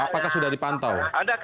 apakah sudah dipantau